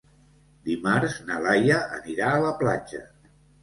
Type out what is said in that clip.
Dimarts na Laia anirà a la platja.